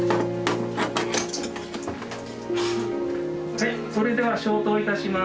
はいそれでは消灯いたします。